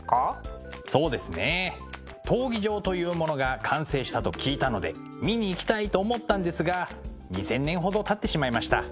そうですね闘技場というものが完成したと聞いたので見に行きたいと思ったんですが２，０００年ほどたってしまいました。